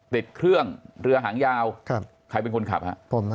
ติดเครื่องเรือหางยาวใครเป็นคนขับฮะ